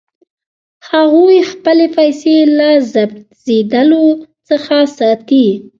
هغوی خپلې پیسې له ضبظېدلو څخه ساتي.